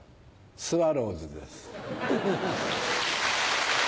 スワローズです。